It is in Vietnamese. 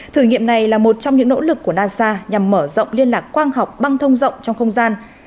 thử nghiệm này là một trong những nỗ lực của nasa nhằm mở rộng liên lạc quang học băng thông rộng trong không gian